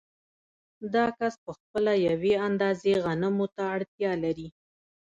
دا کس په خپله یوې اندازې غنمو ته اړتیا لري